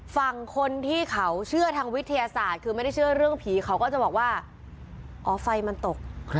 ฝั่งคนที่เขาเชื่อทางวิทยาศาสตร์คือไม่ได้เชื่อเรื่องผีเขาก็จะบอกว่าอ๋อไฟมันตก